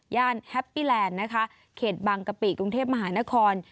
แฮปปี้แลนด์นะคะเขตบางกะปิกรุงเทพมหานคร